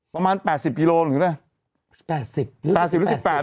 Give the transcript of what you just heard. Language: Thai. ประมาณแปดสิบกิโลหรืออะไรแปดสิบหรือแปดสิบหรือสิบแปด